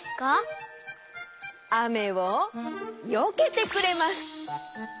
あめをよけてくれます。